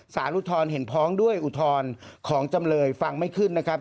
อุทธรณ์เห็นพ้องด้วยอุทธรณ์ของจำเลยฟังไม่ขึ้นนะครับ